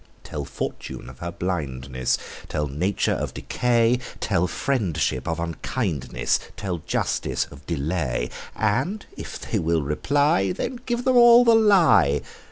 Tell fortune of her blindness; Tell nature of decay; Tell friendship of unkindness; Tell justice of delay: And if they will reply, Then give them all the lie.